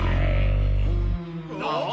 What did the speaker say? あっ？